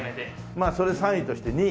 まあそれ３位として２位。